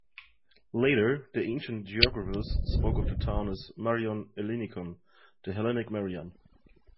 Later, the ancient geographers spoke of the town as "Marion Ellinikon"-The Hellenic Marion.